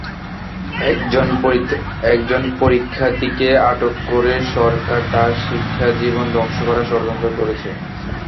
একজন পরীক্ষার্থীকে আটক করে সরকার তার শিক্ষাজীবন ধ্বংস করার ষড়যন্ত্র করছে।